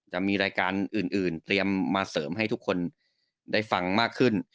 จะมีรายการอื่นเตรียมมาเสริมให้ทุกคนได้ฟังมากขึ้น